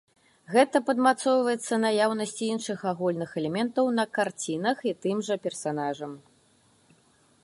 Гэта падмацоўваецца наяўнасцю іншых агульных элементаў на карцінах і тым жа персанажам.